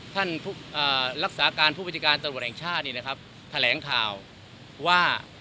ท่านผู้รักษาการผู้บัญชาการตำรวจแห่งชาตินี่นะครับแถลงข่าวว่า